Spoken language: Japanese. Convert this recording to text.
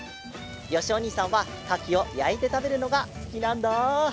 よしおにいさんはカキをやいてたべるのがすきなんだ。